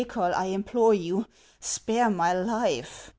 515 Nychol, I implore you, spare my life